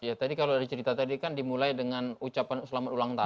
ya tadi kalau dari cerita tadi kan dimulai dengan ucapan selamat ulang tahun